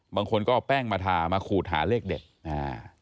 บางคนก็เอาแป้งมาทามาขูดหาเลขเด็ดอ่า